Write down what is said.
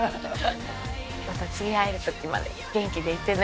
また次会える時まで元気でいてね。